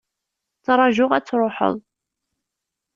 Ttrajuɣ ad truḥeḍ.